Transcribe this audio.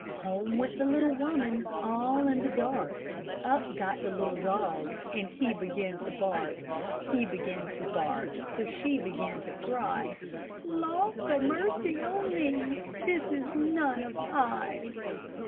Home went the little woman all in the dark; Up got the little dog, and he began to bark; He began to bark, so she began to cry, "Lauk a mercy on me, this is none of I!"